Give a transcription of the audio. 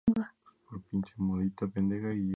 Ambos superaban en altura al monte Fuji.